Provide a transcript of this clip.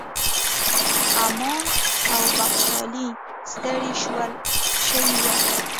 امان او بخشالۍ ستړي شوي ول.